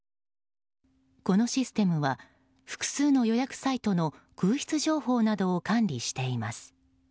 このシステムは複数の予約サイトの空室情報などを管理しています。